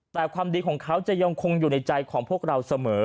แต่ความดีของเขาจะยังคงอยู่ในใจของพวกเราเสมอ